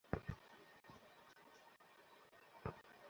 তবে গণমাধ্যমে যেসব তথ্য প্রকাশ করা হয়েছে, সেখানে কোনো নির্দেশিত তথ্য নেই।